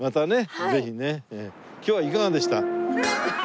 今日はいかがでした？